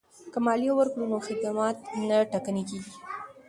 که مالیه ورکړو نو خدمات نه ټکنی کیږي.